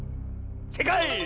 せいかい！